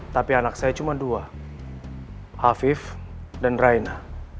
tapi anak saya cuma dua hafif dan raina